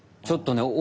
ちょっとね